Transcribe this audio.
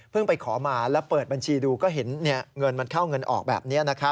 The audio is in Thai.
ไปขอมาแล้วเปิดบัญชีดูก็เห็นเงินมันเข้าเงินออกแบบนี้